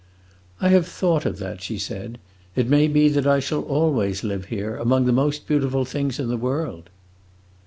"I have thought of that," she said. "It may be that I shall always live here, among the most beautiful things in the world!"